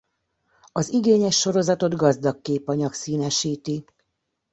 Az igényes sorozatot gazdag képanyag színesíti.